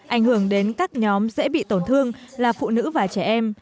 ảnh hưởng đến các nhóm dễ bị tổn thương là phụ nữ và trẻ em